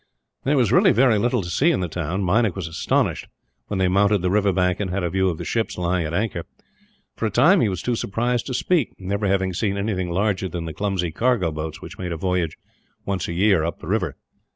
There was very little to see in the town. Meinik was astonished, when they mounted the river bank and had a view of the ships lying at anchor. For a time he was too surprised to speak, never having seen anything larger than the clumsy cargo boats which made a voyage, once a year, up the river.